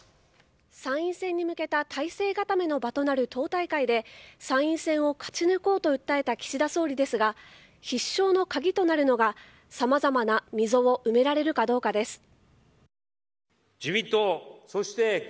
参院選に向けた体制固めの場となる党大会で参院選を勝ち抜こうと訴えた岸田総理ですが必勝の鍵となるのが様々な溝を埋められるかどうかです。